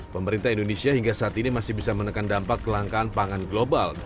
pemerintah indonesia hingga saat ini masih bisa menekan dampak kelangkaan pangan global